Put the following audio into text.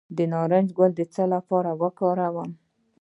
د نارنج ګل د څه لپاره وکاروم؟